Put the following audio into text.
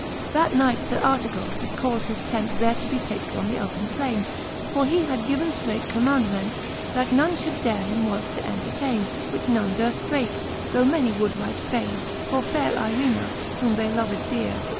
X. That knight Sir Artegall did caufe his tent There to be pitched on the open plainc ; For he had given ftreight commaundment. That none fhould dare him once to entertaine : Which none durft breake, though many would right faine For fay re Irena^ whom they loved deare.